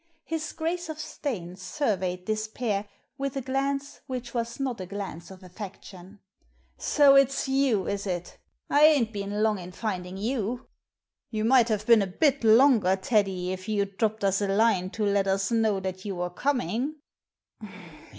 His Grace of Staines surveyed this pair with a glance which was not a glance of affection. " So it's you, is it ? I ain't been long in finding you." Digitized by VjOOQIC THE DUKE 307 "You might have been a bit longer, Teddy, if you'd dropped us a line to let us know that you were coming."